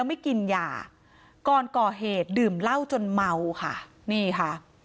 ไม่กินยาก่อนก่อเหตุดื่มเหล้าจนเมาค่ะนี่ค่ะ